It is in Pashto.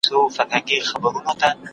نکاح باید ونه ځنډول سي.